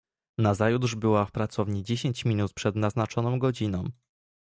"Nazajutrz była w pracowni dziesięć minut przed naznaczoną godziną."